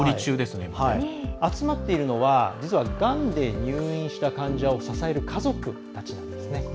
集まっているのは実は、がんで入院した患者を支える家族たちなんですね。